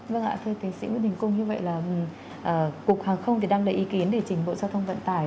vâng ạ thầy thế sĩ nguyễn đình cung như vậy là cục hàng không đang đợi ý kiến để trình bộ giao thông vận tải